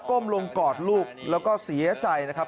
้มลงกอดลูกแล้วก็เสียใจนะครับ